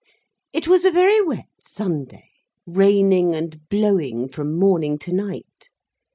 It was a very wet Sunday: raining and blowing from morning to night.